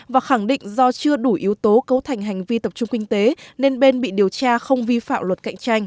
và khẳng định do chưa đủ yếu tố cấu thành hành vi tập trung kinh tế nên bên bị điều tra không vi phạm luật cạnh tranh